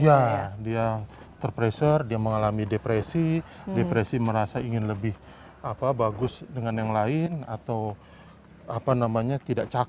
iya dia terpressure dia mengalami depresi depresi merasa ingin lebih bagus dengan yang lain atau apa namanya tidak capek